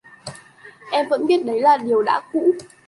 Em vẫn biết đấy là điều đã cũ